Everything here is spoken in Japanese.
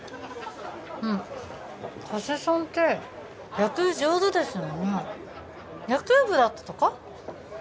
あっ加瀬さんって野球上手ですよね野球部だったとか？